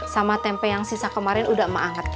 sama tempe yang sisa kemarin udah emak angkat ya